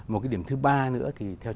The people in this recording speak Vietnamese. một cái điểm thứ ba nữa